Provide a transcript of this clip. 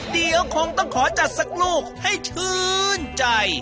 เดี๋ยวคงต้องขอจัดสักลูกให้ชื่นใจ